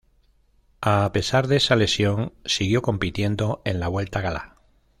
A pesar de esa lesión, siguió compitiendo en la vuelta gala.